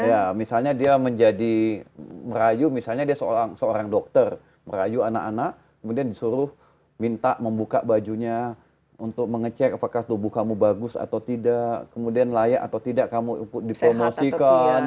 ya misalnya dia menjadi merayu misalnya dia seorang dokter merayu anak anak kemudian disuruh minta membuka bajunya untuk mengecek apakah tubuh kamu bagus atau tidak kemudian layak atau tidak kamu dipromosikan